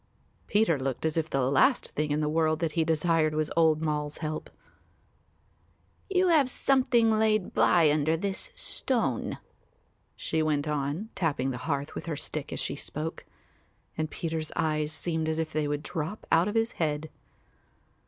Peter looked as if the last thing in the world that he desired was old Moll's help. "You have something laid by under this stone," she went on, tapping the hearth with her stick as she spoke; and Peter's eyes seemed as if they would drop out of his head.